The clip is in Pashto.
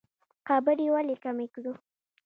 خبرې ولې کمې کړو؟